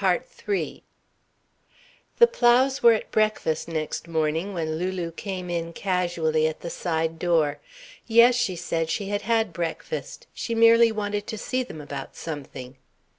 The Plows were at breakfast next morning when Lulu came in casually at the side door. Yes, she said, she had had breakfast. She merely wanted to see them about something.